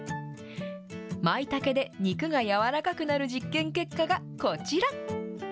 まいたけで肉が柔らかくなる実験結果がこちら。